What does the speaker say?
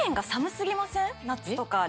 夏とか。